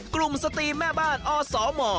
กลุ่มสตีแม่บ้านอสตม